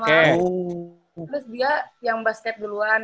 terus dia yang basket duluan